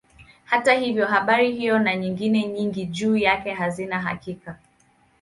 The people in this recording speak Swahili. Hata hivyo habari hiyo na nyingine nyingi juu yake hazina hakika.